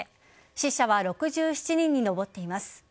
死者は６７人に上っています。